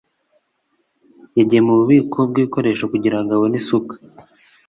Yagiye mububiko bwibikoresho kugirango abone isuka.